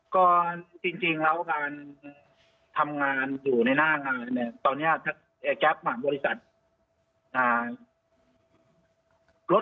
ก็จริงแล้วการทำงานอยู่ในหน้างานเนี่ยตอนนี้แก๊ปของบริษัทรถ